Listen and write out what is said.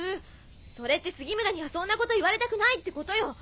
それって杉村にはそんなこと言われたくないってことよ！